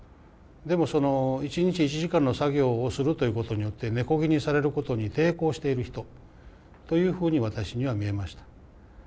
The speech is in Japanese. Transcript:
でもその一日１時間の作業をするということによって根こぎにされることに抵抗している人というふうに私には見えました。